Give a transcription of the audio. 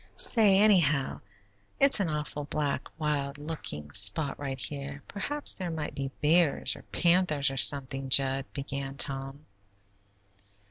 "Say, anyhow, it's an awful black, wild looking spot right here; perhaps there might be bears, or panthers, or something, Jud," began Tom.